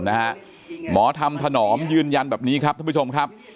หมอธรรมถนอมยืนยันแบบนี้ครับท่านผู้ชมครับ